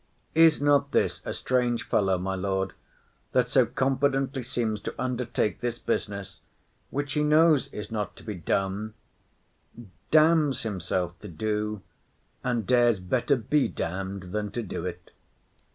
Is not this a strange fellow, my lord, that so confidently seems to undertake this business, which he knows is not to be done; damns himself to do, and dares better be damn'd than to do't.